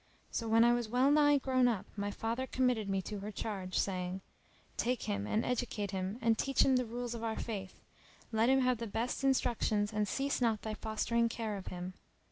So when I was well nigh grown up my father committed me to her charge saying:—Take him and educate him and teach him the rules of our faith; let him have the best instructions and cease not thy fostering care of him.